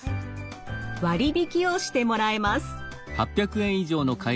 割り引きをしてもらえます。